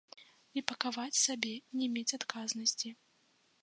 І пакаваць сабе, не мець адказнасці.